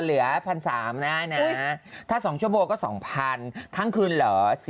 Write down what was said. เหลือ๑๓๐๐ได้นะถ้า๒ชก็๒๐๐๐ทั้งคืนเหรอ๔๐๐๐